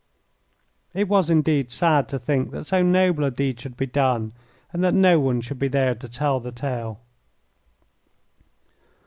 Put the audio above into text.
It was, indeed, sad to think that so noble a deed should be done, and that no one should be there to tell the tale.